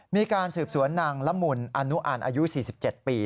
มีการสืบสวนนางละมุนอญุ๔๗ปี